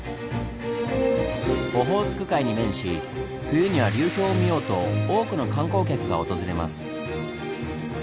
オホーツク海に面し冬には流氷を見ようと多くの観光客が訪れます。